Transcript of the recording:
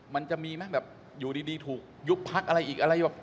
มันจะมีไหมแบบอยู่ดีถูกยุบพักอะไรอีกอะไรแบบ